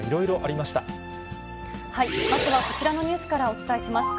まずはこちらのニュースからお伝えします。